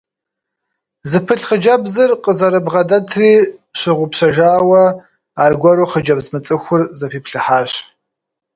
Зыпылъ хъыджэбзыр къызэрыбгъэдэтри щыгъупщэжауэ, аргуэру хъыджэбз мыцӏыхур зэпиплъыхьащ.